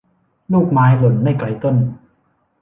ลูกไม้หล่นไม่ไกลต้น